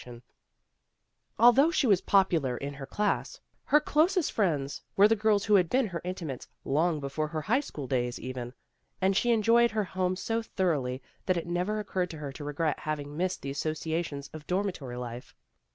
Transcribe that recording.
254 PEGGY RAYMOND'S WAY Although she was popular in her class, her closest friends were the girls who had been her intimates long before her high school days, even, and she enjoyed her home so thoroughly that it never occurred to her to regret having missed the associations of dormitory life.